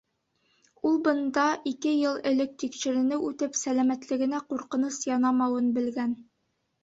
Ул бында ике йыл элек тикшеренеү үтеп, сәләмәтлегенә ҡурҡыныс янамауын белгән.